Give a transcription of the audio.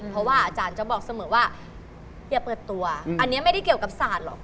เพราะว่าอาจารย์จะบอกเสมอว่าอย่าเปิดตัวอันนี้ไม่ได้เกี่ยวกับศาสตร์หรอก